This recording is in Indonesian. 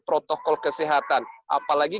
protokol kesehatan apalagi